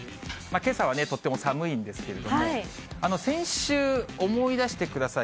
けさはね、とても寒いんですけれども、先週、思い出してください。